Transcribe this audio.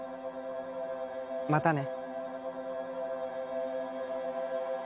またね。